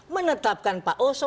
menetapkan pak oso